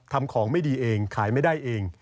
ทำของไม่ดีเองขายไม่ได้เอง